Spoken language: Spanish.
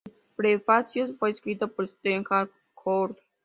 El prefacio fue escrito por Stephen Jay Gould.